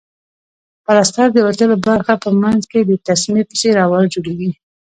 پلستر د وتلو برخو په منځ کې د تسمې په څېر اوار جوړیږي.